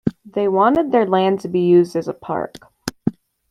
They wanted their land to be used as a park.